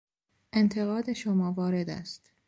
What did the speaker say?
انتقاد شما وارد است.